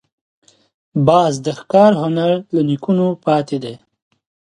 باز د ښکار هنر له نیکونو پاتې دی